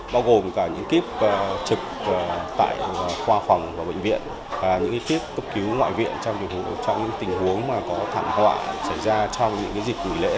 bao gồm cả những kiếp trực tại khoa phòng và bệnh viện những kiếp cấp cứu ngoại viện trong những tình huống có thảm họa xảy ra trong những dịch nghỉ lễ